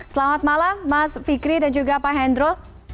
selamat malam mas fikri dan juga pak hendro